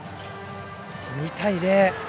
２対０。